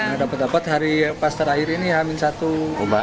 gak dapat dapat hari pas terakhir ini hamil satu